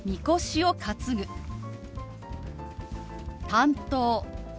「担当」。